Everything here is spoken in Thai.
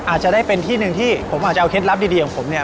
อาจจะได้เป็นที่หนึ่งที่ผมอาจจะเอาเคล็ดลับดีของผมเนี่ย